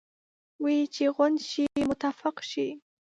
وې چې غونډ شئ متفق شئ.